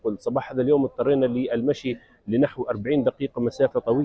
ketika kita sampai ke sini kita juga menghadapi masalah dengan keterbatasan baterai